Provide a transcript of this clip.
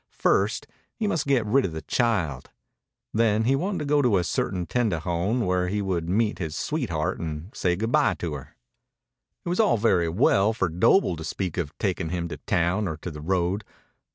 First, he must get rid of the child. Then he wanted to go to a certain tendejon where he would meet his sweetheart and say good bye to her. It was all very well for Doble to speak of taking him to town or to the road.